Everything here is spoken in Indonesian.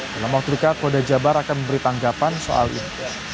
dalam waktu dekat polda jabar akan memberi tanggapan soal ini